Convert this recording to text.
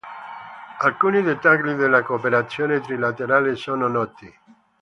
Alcuni dettagli della cooperazione trilaterale sono noti.